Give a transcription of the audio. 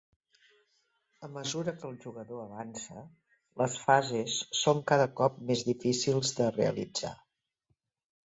A mesura que el jugador avança, les fases són cada cop més difícils de realitzar.